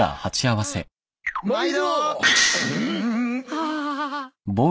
ああ。